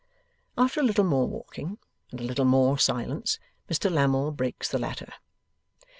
After a little more walking and a little more silence, Mr Lammle breaks the latter.